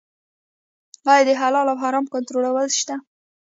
آیا د حلال او حرام کنټرول شته؟